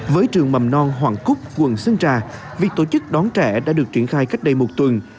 với trường mầm non hoàng cúc quận sơn trà việc tổ chức đón trẻ đã được triển khai cách đây một tuần